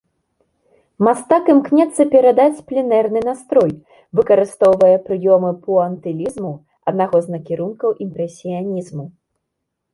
Мастак імкнецца перадаць пленэрны настрой, выкарыстоўвае прыёмы пуантылізму, аднаго з накірункаў імпрэсіянізму.